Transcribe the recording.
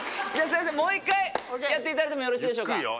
もう一回やっていただいてもよろしいでしょうか。